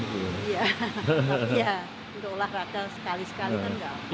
iya tapi ya untuk olah rata sekali sekali kan enggak